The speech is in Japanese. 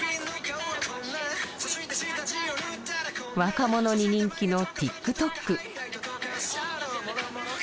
若者に人気のＴｉｋＴｏｋ。